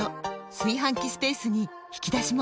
炊飯器スペースに引き出しも！